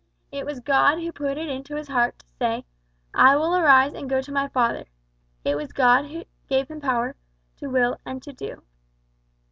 It was God who put it into his heart to say `I will arise and go to my father.' It was God who gave him `power to will and to do.'"